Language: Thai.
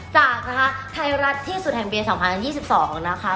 จากนะคะไทยรัฐที่สุดแห่งปี๒๐๒๒นะคะ